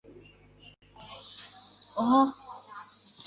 螯埃齿螯蛛为球蛛科齿螯蛛属的动物。